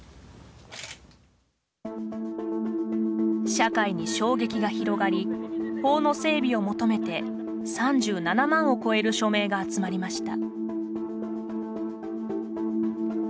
社会に衝撃が広がり法の整備を求めて３７万を超える署名が集まりました。